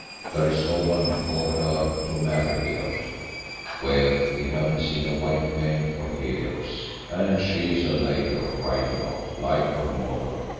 There is no one for her to marry here, where we haven't seen a white man for years, and she's a lady right enough, like her mother.